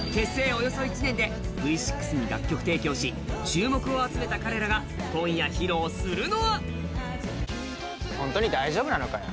およそ１年でＶ６に楽曲提供し注目を集めた彼らが今夜披露するのはホントに大丈夫なのかよ